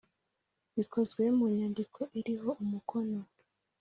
bikozwe mu nyandiko iriho umukono